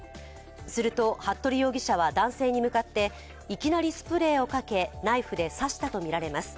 すると服部容疑者は男性に向かっていきなりスプレーをかけナイフで刺したとみられます。